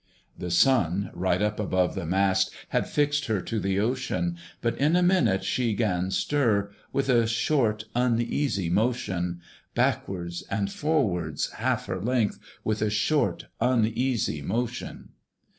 The Sun, right up above the mast, Had fixed her to the ocean: But in a minute she 'gan stir, With a short uneasy motion Backwards and forwards half her length With a short uneasy motion.